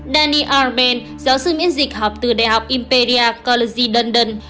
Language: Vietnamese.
danny arben giáo sư biến dịch học từ đại học imperial college london